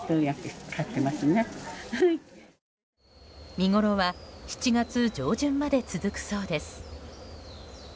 見ごろは７月上旬まで続くそうです。